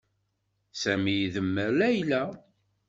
Sami idemmer Layla.